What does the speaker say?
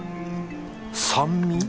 酸味？